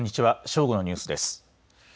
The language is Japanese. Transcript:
正午のニュースです。